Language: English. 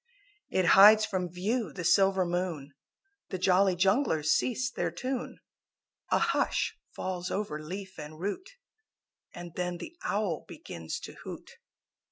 It hides from view the silver moon, The Jolly Junglers cease their tune; A hush falls over leaf and root And then the Owl begins to hoot.